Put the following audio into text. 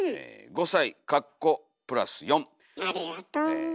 ありがと。